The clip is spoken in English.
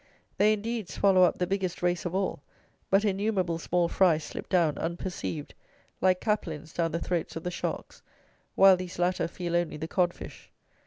They, indeed, swallow up the biggest race of all; but innumerable small fry slip down unperceived, like caplins down the throats of the sharks, while these latter feel only the codfish.